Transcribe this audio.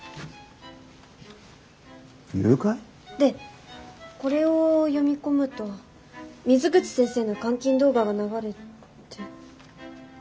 誘拐？でこれを読み込むと水口先生の監禁動画が流れて。